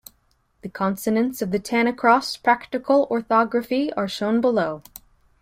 The consonants of the Tanacross practical orthography are shown below.